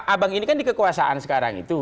abang ini kan di kekuasaan sekarang itu